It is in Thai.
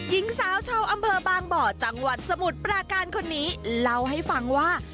หญิงสาวชาวอำเภอบางบ่อจังหวัดสมุทรปราการคนนี้เล่าให้ฟังว่า